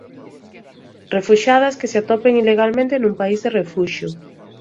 Refuxiadas que se atopan ilegalmente nun país de refuxio.